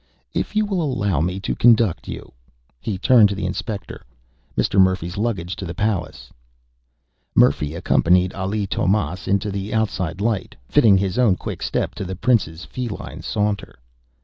"If you will allow me to conduct you...." He turned to the inspector. "Mr. Murphy's luggage to the palace." Murphy accompanied Ali Tomás into the outside light, fitting his own quick step to the prince's feline saunter.